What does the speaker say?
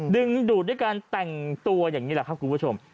ดึงดูดด้วยการแต่งตัวอย่างนี้แหละครับคุณผู้ชม